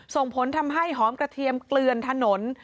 ส่งผลทำให้หอมกระเทียมเกลือนถนน